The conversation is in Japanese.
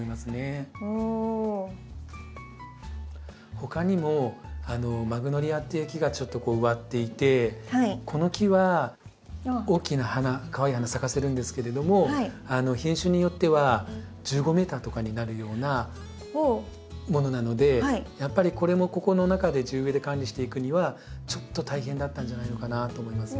ほかにもマグノリアっていう木がちょっと植わっていてこの木は大きな花かわいい花咲かせるんですけれども品種によっては１５ｍとかになるようなものなのでやっぱりこれもここの中で地植えで管理していくにはちょっと大変だったんじゃないのかなって思いますね。